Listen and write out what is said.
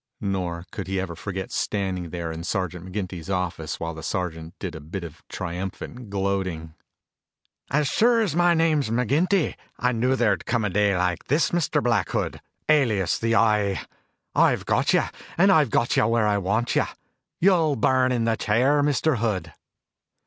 Nor could he ever forget standing there in Sergeant McGinty's office while the sergeant did a bit of triumphant gloating. "As sure as my name's McGinty, I knew there'd come a day like this, Mr. Black Hood, alias the Eye. I've got you, and I've got you where I want you. You'll burn in the chair, Mr. Hood."